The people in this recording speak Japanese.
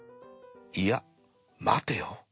いや待てよ。